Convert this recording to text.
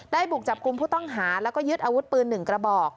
บุกจับกลุ่มผู้ต้องหาแล้วก็ยึดอาวุธปืน๑กระบอก